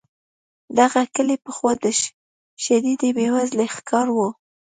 دغه کلی پخوا د شدیدې بې وزلۍ ښکار و.